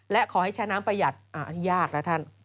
และขอให้ใช้น้ำประหยัดอ่าอันนี้ยากนะท่าน